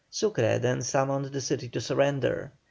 Sucre then summoned the city to surrender.